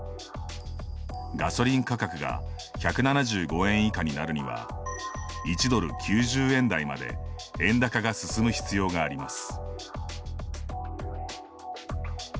ガソリン価格が１７５円以下になるには１ドル９０円台まで円高が進む必要があります。